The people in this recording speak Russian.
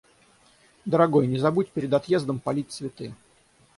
Дорогой, не забудь перед отъездом полить цветы.